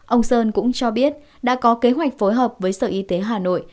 ông sơn cũng cho biết đã có kế hoạch phối hợp với sở y tế hà nội